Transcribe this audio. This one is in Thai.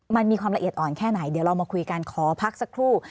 มันมีความละเอียดอ่อนแค่ไหนเดี๋ยวเรามาคุยกันขอพักสักครู่